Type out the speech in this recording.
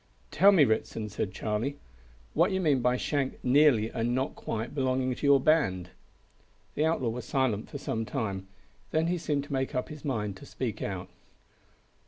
"Tell me, Ritson," said Charlie, "what you mean by Shank `nearly' and `not quite' belonging to your band." The outlaw was silent for some time. Then he seemed to make up his mind to speak out.